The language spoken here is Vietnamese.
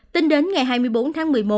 tính đến ngày hai mươi bốn tháng một mươi một